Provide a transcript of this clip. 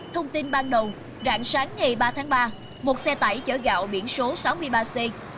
thông tin ban đầu rạng sáng ngày ba tháng ba một xe tải chở gạo biển số sáu mươi ba c ba nghìn một trăm một mươi bảy